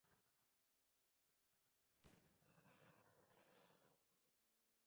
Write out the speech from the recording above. Crece en suelos de granito ácidos rocosos o arenosos en bosques esclerófilos secos.